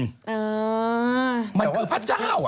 อ๋อแต่ว่าอ๋อมันคือพระเจ้าอะ